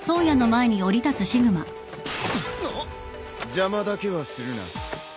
邪魔だけはするな。